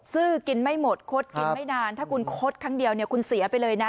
ซื้อกินไม่หมดคดกินไม่นานถ้าคุณคดครั้งเดียวเนี่ยคุณเสียไปเลยนะ